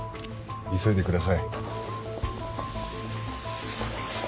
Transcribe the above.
急いでください。